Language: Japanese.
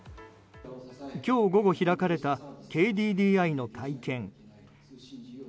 今日午後開かれたＫＤＤＩの会見。